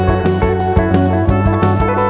kamu nanti ke warung emak deciding